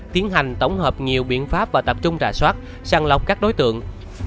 tiến hành tổng hợp nhiều biện pháp và tập trung trả soát sang lọc các đối tượng